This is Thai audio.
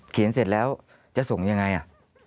เสร็จแล้วจะส่งยังไงอ่ะ